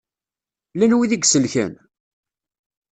Llan wid i iselken?